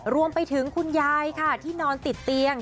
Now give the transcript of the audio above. รวมไปถึงคุณยายค่ะที่นอนติดเตียง